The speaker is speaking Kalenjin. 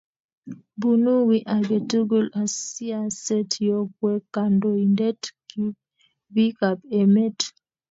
bunu wiy age tugul siaset yo kwee kandoindet bikap emet